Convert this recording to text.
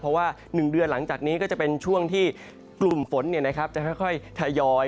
เพราะว่า๑เดือนหลังจากนี้ก็จะเป็นช่วงที่กลุ่มฝนจะค่อยทยอย